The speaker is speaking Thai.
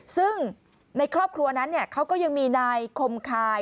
ซึ่งในครอบครัวนั้นเขาก็ยังมีนายคมคาย